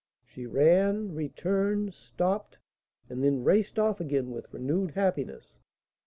She ran, returned, stopped, and then raced off again with renewed happiness.